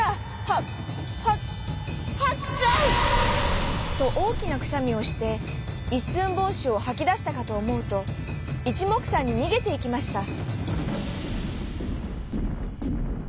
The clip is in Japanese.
ハハッハクション！」。とおおきなくしゃみをしていっすんぼうしをはきだしたかとおもうといちもくさんににげていきました。